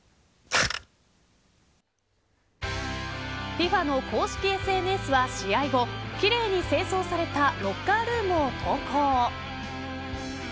ＦＩＦＡの公式ＳＮＳは試合後奇麗に清掃されたロッカールームを投稿。